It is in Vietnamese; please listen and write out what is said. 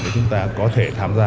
để chúng ta có thể tham gia